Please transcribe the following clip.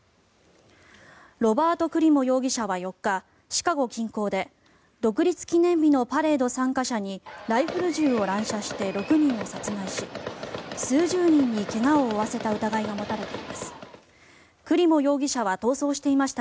ロバート・クリモ容疑者は４日シカゴ近郊で独立記念日のパレード参加者にライフル銃を乱射して６人を殺害し数十人に怪我を負わせた疑いが持たれています。